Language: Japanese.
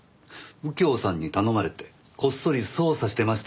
右京さんに頼まれてこっそり捜査してましたよね？